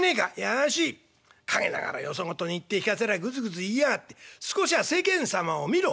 陰ながらよそ事に言って聞かせりゃグズグズ言いやがって少しは世間様を見ろ。